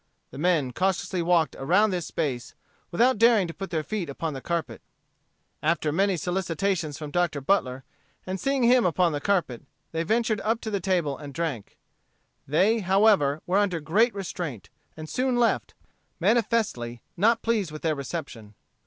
The men cautiously walked around this space, without daring to put their feet upon the carpet. After many solicitations from Dr. Butler, and seeing him upon the carpet, they ventured up to the table and drank. They, however, were under great restraint, and soon left, manifestly not pleased with their reception.